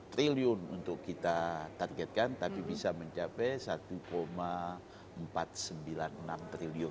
tiga triliun untuk kita targetkan tapi bisa mencapai satu empat ratus sembilan puluh enam triliun